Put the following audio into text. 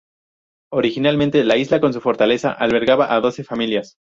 Originariamente, la isla con su fortaleza albergaba a doce familias.